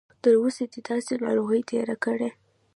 تر اوسه دې داسې ناروغي تېره کړې؟